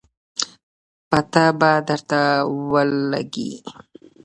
پته به درته ولګي